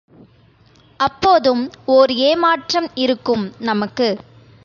அப்போதும் ஓர் எமாற்றம் இருக்கும் நமக்கு.